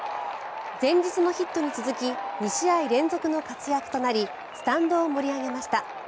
前日のヒットに続き２試合連続の活躍となりスタンドを盛り上げました。